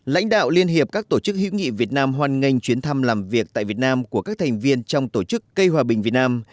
lãnh đạo liên hiệp các tổ chức hữu nghị việt nam hoan nghênh chuyến thăm làm việc tại việt nam của các thành viên trong tổ chức cây hòa bình việt nam